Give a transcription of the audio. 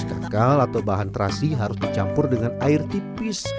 kerkal atau bahan terasi harus dicampur dengan air tipis